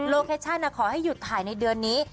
เคชั่นขอให้หยุดถ่ายในเดือนนี้